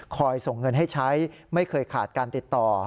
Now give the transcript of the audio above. ส่งเงินให้ใช้ไม่เคยขาดการติดต่อ